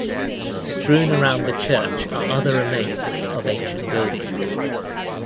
Strewn around the church are other remains of ancient buildings.